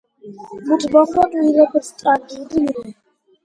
მუთ მოხვადუ ირფელ სკან დუდი რე